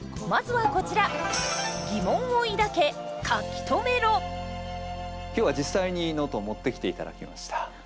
まずはこちら今日は実際にノートを持ってきていただきました。